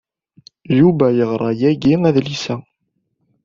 Yuba yeɣra yagi adlis-a.